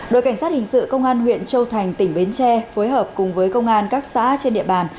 đội cảnh sát hình sự công an huyện châu thành tỉnh bến tre phối hợp cùng với công an các xã trên địa bàn